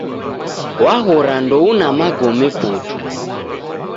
Waghora ndouna magome putu